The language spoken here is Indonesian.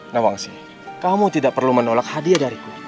namangsi kamu tidak perlu menolak hadiah dariku